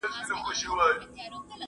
چېري خلګ د ظلم پر وړاندي دریږي؟